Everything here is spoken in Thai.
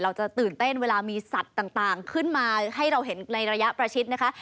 ตื่นเต้นเวลามีสัตว์ต่างขึ้นมาให้เราเห็นในระยะประชิดนะคะ